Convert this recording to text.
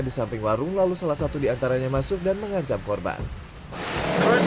di samping warung lalu salah satu diantaranya masuk dan mengancam korban yang beli beli